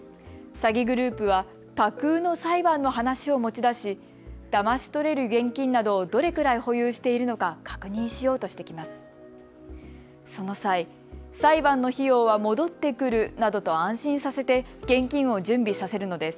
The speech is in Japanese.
詐欺グループは架空の裁判の話を持ち出しだまし取れる現金などをどれくらい保有しているのか確認しようとしてきます。